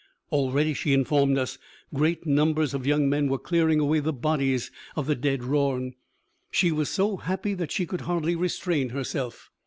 Already, she informed us, great numbers of young men were clearing away the bodies of the dead Rorn. She was so happy she could hardly restrain herself.